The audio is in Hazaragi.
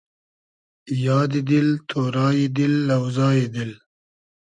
یادی دېل، تۉرای دیل، لۆزای دیل